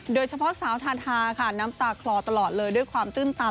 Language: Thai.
โดยเฉพาะสาวทาทาค่ะน้ำตาคลอตลอดเลยด้วยความตื้นตา